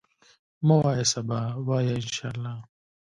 مه وایه سبا، وایه ان شاءالله.